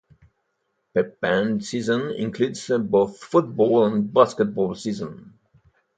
Pep band season includes both football and basketball seasons.